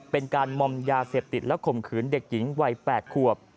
เป็นการมอมยาเสพติดและข่มขืนเด็กหญิงวัย๘ขวบ